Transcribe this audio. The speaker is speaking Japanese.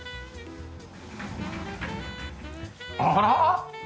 あら！？